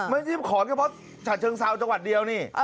ไม่เตรียมของเฉพาะฉาเชิงซาวจังหวัดเดียวนี่